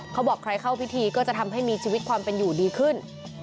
เขาบอกใครเข้าพิธีก็จะทำให้มีชีวิตความเป็นอยู่ดีขึ้น